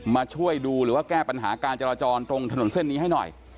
มาช่วยดูหรือว่าแก้ปัญหาการจราจรตรงถนนเส้นนี้ให้หน่อย